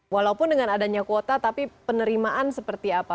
walaupun dengan adanya kuota tapi penerimaan seperti apa